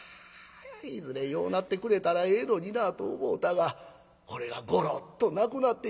いずれ良うなってくれたらええのになあと思うたがこれがゴロッと亡くなってしもた。